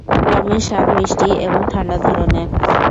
গমের স্বাদ মিষ্টি এবং ঠান্ডা ধরনের।